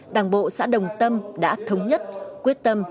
đảng bộ xã đồng tâm đã thống nhất quyết tâm